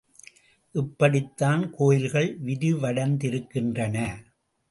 இப்படித்தான் கோயில்கள் விரிவடைந்திருக்கின்றன.